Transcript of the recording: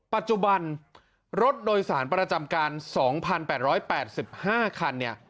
ปัจจุบันรถโดยสารประจำการ๒๘๘๕คันเนี่ย